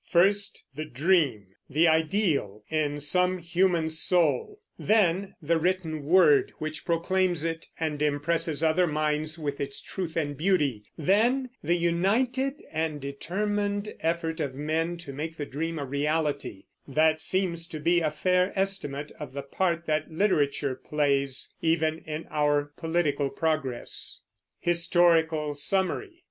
First the dream, the ideal in some human soul; then the written word which proclaims it, and impresses other minds with its truth and beauty; then the united and determined effort of men to make the dream a reality, that seems to be a fair estimate of the part that literature plays, even in our political progress. HISTORICAL SUMMARY.